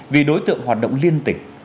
vì đối tượng hoạt động liên tịch